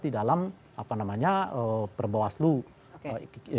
di dalam perbawah seluruh